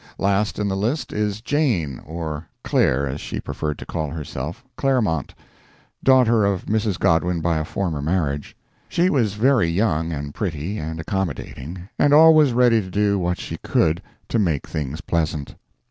Last in the list is Jane (or Claire, as she preferred to call herself) Clairmont, daughter of Mrs. Godwin by a former marriage. She was very young and pretty and accommodating, and always ready to do what she could to make things pleasant.